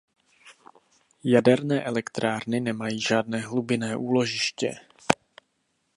Jaderné elektrárny nemají žádné hlubinné úložiště.